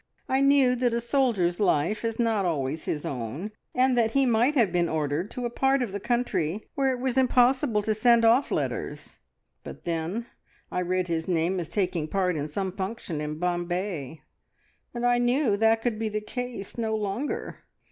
I knew that a soldier's life is not always his own, and that he might have been ordered to a part of the country where it was impossible to send off letters, but then I read his name as taking part in some function in Bombay, and I knew that could be the case no longer.